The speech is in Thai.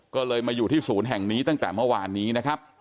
ก็เลยมาอยู่ที่ศูนย์แห่งนี้ตั้งแต่เมื่อวานนี้นะครับ